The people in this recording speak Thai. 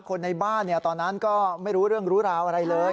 คนในบ้านตอนนั้นก็ไม่รู้เรื่องรู้ราวอะไรเลย